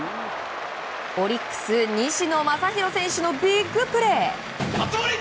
オリックス、西野真弘選手のビッグプレー。